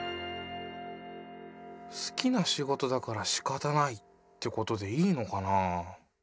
好きな仕事だからしかたないってことでいいのかなぁ。